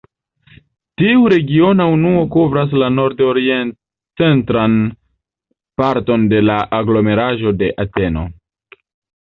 Tiu regiona unuo kovras la nordorient-centran parton de la aglomeraĵo de Ateno.